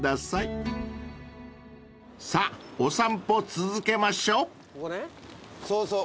［さぁお散歩続けましょう］